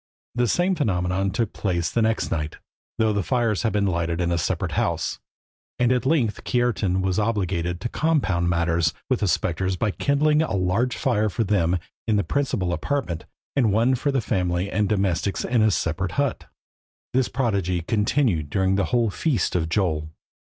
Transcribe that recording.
The same phenomenon took place the next night, though the fires had been lighted in a separate house, and at length Kiartan was obliged to compound matters with the spectres by kindling a large fire for them in the principal apartment, and one for the family and domestics in a separate hut. This prodigy continued during the whole feast of Jol.